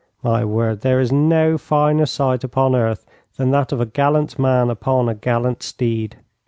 My word, there is no finer sight upon earth than that of a gallant man upon a gallant steed!